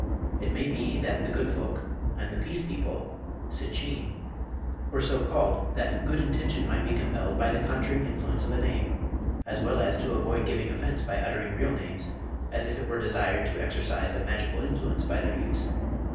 It may be that "the good folk" and the "peace people" (sitchean) were so called that good intention might be compelled by the conjuring influence of a name, as well as to avoid giving offence by uttering real names, as if it were desired to exercise a magical influence by their use.